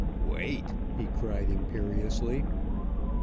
"Wait!" he cried imperiously.